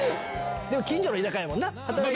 近所の居酒屋やもんな。